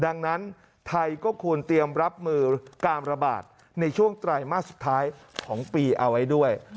ดังนั้นไทยก็ควรเตรียมรับมือการระบาดในช่วงไตรมาสสุดท้ายของปีเอาไว้ด้วย